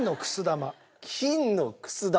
金のくす玉？